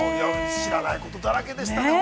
◆知らないことだらけでしたね。